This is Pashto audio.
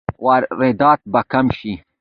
واردات به کم شي؟